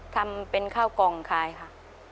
ทำเป็นข้าวกล่องขายค่ะ